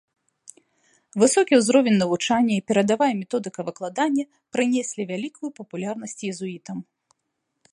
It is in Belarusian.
Высокі ўзровень навучання і перадавая методыка выкладання прынеслі вялікую папулярнасць езуітам.